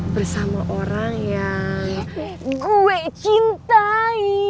bersama orang yang gue cintai